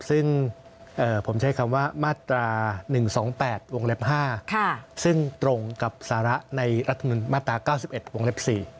ซึ่งผมใช้คำว่ามาตรา๑๒๘วงเล็บ๕ซึ่งตรงกับสาระในรัฐมนุนมาตรา๙๑วงเล็บ๔